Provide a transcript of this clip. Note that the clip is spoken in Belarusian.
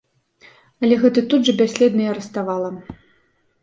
Але гэта тут жа бясследна і раставала.